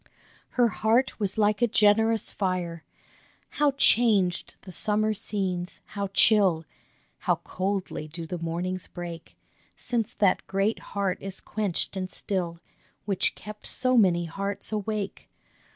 Her heart was like a generous fire ! How changed the summer scenes, how chill, How coldly do the mornings break, Since that great heart is quenched and still, Which kept so many hearts awake